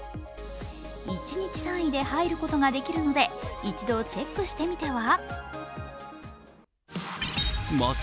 １日単位で入ることができるので一度チェックしてみては？